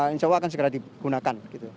insya allah akan segera digunakan